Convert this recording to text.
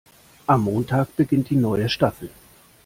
Am Montag beginnt die neue Staffel.